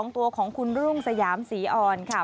ตัวของคุณรุ่งสยามศรีอ่อนค่ะ